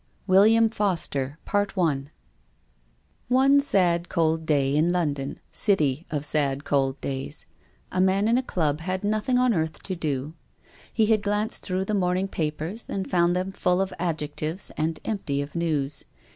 "WIILLIAM FOSTER." " WILLIAM FOSTER." One sad cold day in London, city of sad cold days, a man in a Club had nothing on earth to do. He had glanced through the morning papers and found them full of adjectives and empty of news.